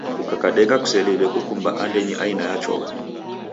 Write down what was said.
Kukakadeka kuseliw'e kukumba andenyi aina ya chogha.